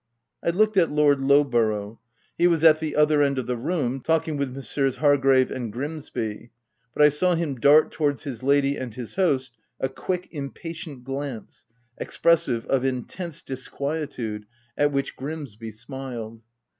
I looked at Lord Lowborough. He was at the other end of the room, talking with Messrs. Hargrave and Grimsby ; but I saw him dart towards his lady and his host, a quick, impatient glance, expressive of intense disquietude, at which Grimsby smiled.